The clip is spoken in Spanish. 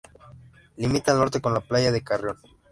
Limita al norte con la playa de Carrión.